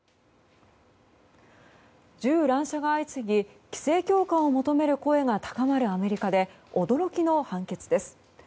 銃乱射が相次ぎ規制強化を求める声が高まるアメリカで驚きの判決です。